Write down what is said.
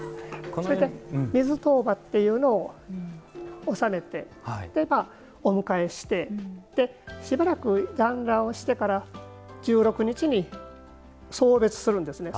水塔婆というのを納めてお迎えしてしばらく団らんをしてから１６日に送別するんですね。